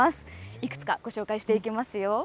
いくつかご紹介していきますよ。